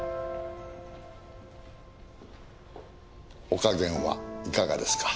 お加減はいかがですか？